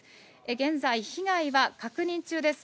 現在、被害は確認中です。